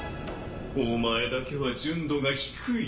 お前だけは純度が低い。